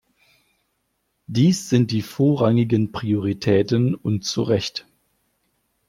Dies sind die vorrangigen Prioritäten und zu Recht.